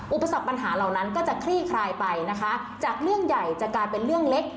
อุปสรรคปัญหาเหล่านั้นก็จะคลี่คลายไปนะคะจากเรื่องใหญ่จะกลายเป็นเรื่องเล็ก